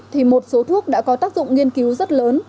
thì một số thuốc đã có tác dụng nghiên cứu rất lớn